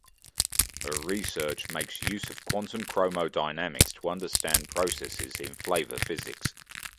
Her research makes use of quantum chromodynamics to understand processes in flavor physics.